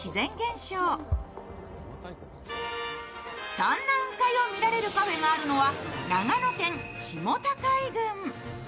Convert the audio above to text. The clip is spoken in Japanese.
そんな雲海を見られるカフェがあるのは長野県下高井郡。